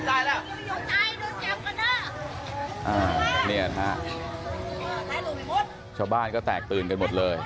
อ่านี้อะครับชาวบ้านก็แตกตื่นกันหมดเลย